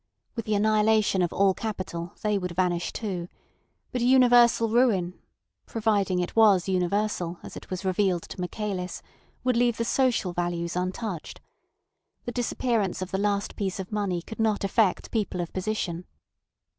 With the annihilation of all capital they would vanish too; but universal ruin (providing it was universal, as it was revealed to Michaelis) would leave the social values untouched. The disappearance of the last piece of money could not affect people of position.